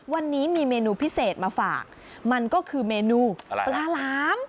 วันนี้มีเมนูพิเศษมาฝากมันก็คือเมนูปลาหลาม